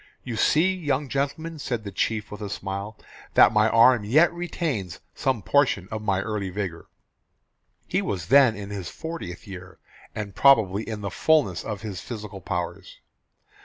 "You see, young gentlemen," said the chief with a smile, "that my arm yet retains some portion of my early vigour." He was then in his fortieth year and probably in the fullness of his physical powers.